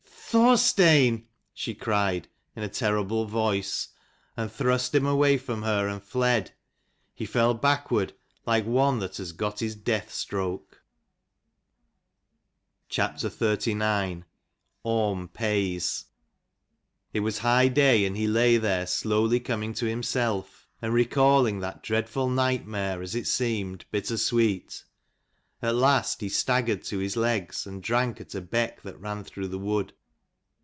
"Thorstein!" she cried in a terrible voice, and thrust him away from her, and fled. He fell backward, like one that has got his death stroke. T was high day, and he lay CHAPTER there slowly coming to him XXXIX. self; and recalling that dreadful ORM nightmare, as it seemed, bitter PAYS. sweet. At last he staggered to his legs, and drank at a beck that ran through the wood.